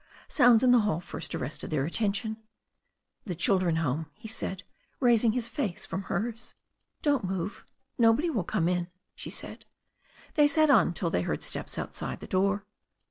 Sounds in the hall first arrested their attention. 'The children home," he said, raising his face from hers. "Don't move. Nobody will come in," she said. They sat on till they heard steps outside the door.